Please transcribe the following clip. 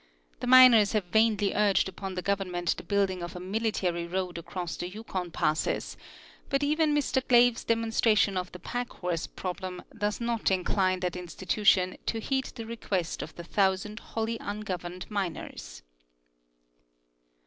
The miners have vainly urged upon the gov ernment the building of a military road across the Yukon passes, but even Mr Glave's demonstration of the pack horse problem does not incline that institution to heed the request of the thou sand wholly ungoverned miners.